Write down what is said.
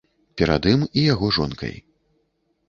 Перад ім і яго жонкай.